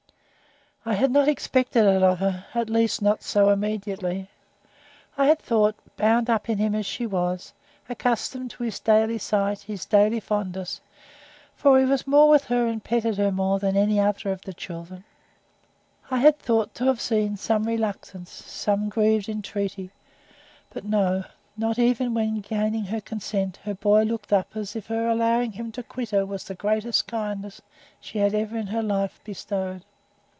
I had not expected it of her at least, not so immediately. I had thought, bound up in him as she was, accustomed to his daily sight, his daily fondness for he was more with her, and "petted" her more than any other of the children I had thought to have seen some reluctance, some grieved entreaty but no! Not even when, gaining her consent, the boy looked up as if her allowing him to quit her was the greatest kindness she had ever in his life bestowed.